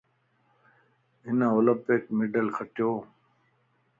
ھن اولمپڪ مڊل کٽيو وَ